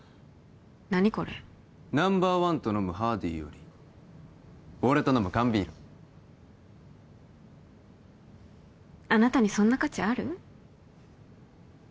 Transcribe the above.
何これナンバーワンと飲むハーディーより俺と飲む缶ビールあなたにそんな価値ある？